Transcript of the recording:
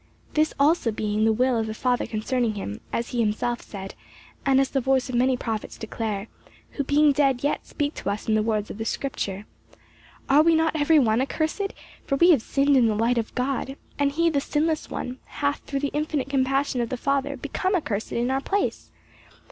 This also being the will of the Father concerning him; as he himself said, and as the voice of many prophets declare who being dead yet speak to us in the words of the scripture. Are we not every one accursed, for we have sinned in the sight of God; and he, the sinless one, hath through the infinite compassion of the Father become accursed in our place.